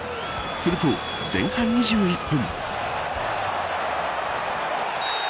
すると前半２１分。